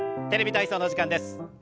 「テレビ体操」の時間です。